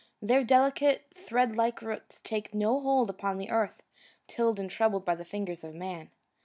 Their delicate, thread like roots take no hold upon the earth tilled and troubled by the fingers of man.